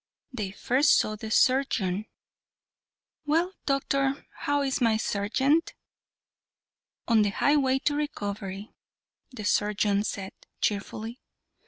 They first saw the surgeon. "Well, doctor, how is my sergeant?" "On the high way to recovery," the surgeon said, cheerfully.